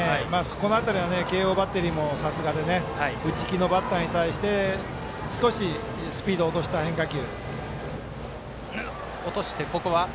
この辺りは慶応バッテリーもさすがで打ち気のバッターに対して少しスピードを落とした変化球。